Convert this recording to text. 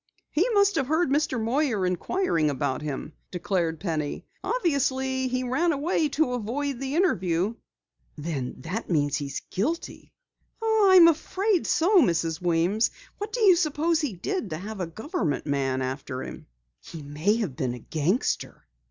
"He must have heard Mr. Moyer inquiring about him," declared Penny. "Obviously he ran away to avoid the interview." "Then that means he's guilty." "I'm afraid so, Mrs. Weems. What do you suppose he did to have a government man after him?" "He may have been a gangster."